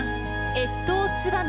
「越冬つばめ」。